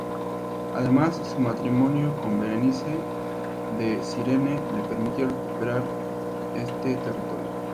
Además, su matrimonio con Berenice de Cirene le permitió recuperar este territorio.